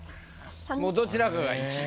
もうどちらかが１位。